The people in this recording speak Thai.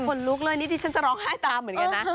คนลุกเลยนี่ดิฉันจะร้องไห้ตามเหมือนกันนะ